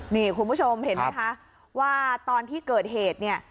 นี่คุณผู้ชมเห็นไหมคะว่าตอนที่เกิดเหตุเนี่ย